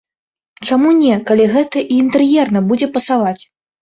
Чаму не, калі гэта і інтэр'ерна будзе пасаваць?